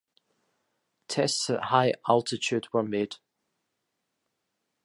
Tests at high altitude were made.